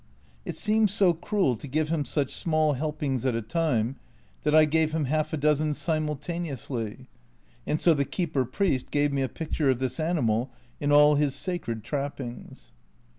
It seems so cruel to give him such small helpings at a time that I gave him half a dozen simultaneously, and so the keeper priest gave me a picture of this animal in all his sacred trappings.